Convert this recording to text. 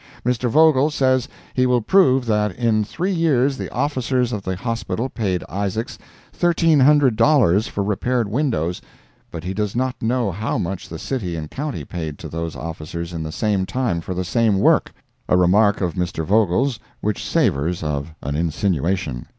Mr. Vogel says he will prove that in three years the officers of the Hospital paid Isaacs thirteen hundred dollars for repaired windows, but he does not know how much the City and County paid to those officers in the same time for the same work—a remark of Mr. Vogel's which savors of an insinuation.